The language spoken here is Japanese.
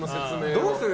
どうする？